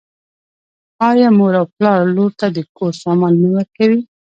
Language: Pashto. آیا مور او پلار لور ته د کور سامان نه ورکوي؟